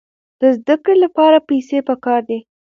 د زده کړې لپاره پیسې پکار دي.